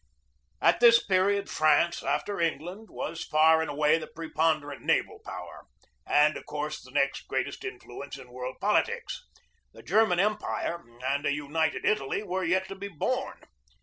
At this period France, after England, was far and away the preponderant naval power, and of course the next greatest influence in world politics. The German Empire and a United Italy were yet to be born.